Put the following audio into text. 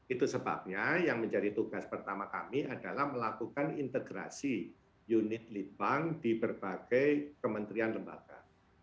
itu sebabnya yang menjadi tugas pertama kami adalah melakukan integrasi unit litbang di berbagai kementerian lembaga